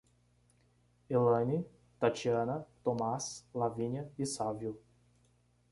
Elane, Tatiana, Thomás, Lavínia e Sávio